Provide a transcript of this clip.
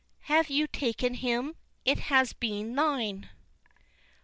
Had you taken him, it had been thine."